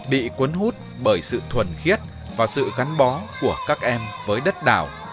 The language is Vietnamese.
bị quấn hút bởi sự thuần khiết và sự gắn bó của các em với đất đảo